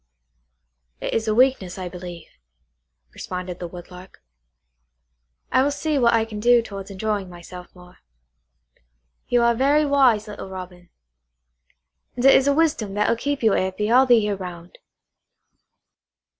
"It is a weakness, I believe," responded the Woodlark. "I will see what I can do towards enjoying myself more. You are very wise, little Robin; and it is a wisdom that will keep you happy all the year round."